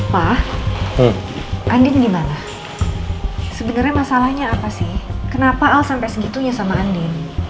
pa andien gimana sebenernya masalahnya apa sih kenapa al sampai segitunya sama andien